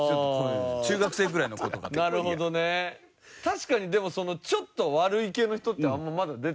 確かにでもちょっと悪い系の人ってあんままだ出てない。